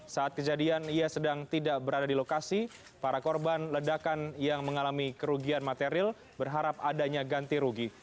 saat kejadian ia sedang tidak berada di lokasi para korban ledakan yang mengalami kerugian material berharap adanya ganti rugi